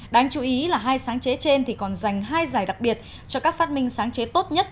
đáng chú ý là hai sáng chế trên còn dành hai giải đặc biệt cho các phát minh sáng chế tốt nhất